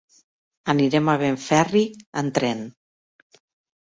Anirem a Benferri amb tren.